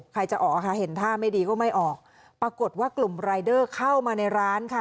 ใครจะออกค่ะเห็นท่าไม่ดีก็ไม่ออกปรากฏว่ากลุ่มรายเดอร์เข้ามาในร้านค่ะ